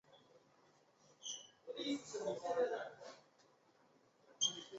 明天过后爬满蚂蚁